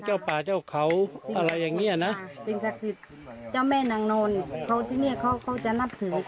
โดยสันนิษฐานเขายังไม่แน่นอน